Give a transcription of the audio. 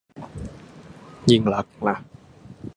ยิ่งลักษณ์นะ